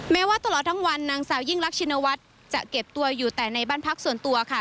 แม้ว่าตลอดทั้งวันนางสาวยิ่งรักชินวัฒน์จะเก็บตัวอยู่แต่ในบ้านพักส่วนตัวค่ะ